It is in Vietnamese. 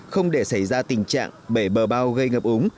không để xảy ra tình trạng bể bờ bao gây ngập úng